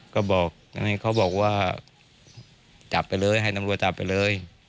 ก็บอกเขาบอกว่าจับไปเลยให้ตำรวจจับไปเลย